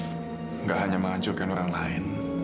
tidak hanya menghancurkan orang lain